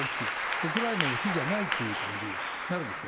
ウクライナの比じゃないという感じになるでしょ。